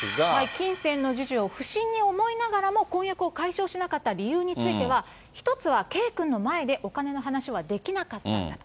金銭の授受を不審に思いながらも、婚約を解消しなかった理由については、一つは圭君の前でお金の話はできなかったんだと。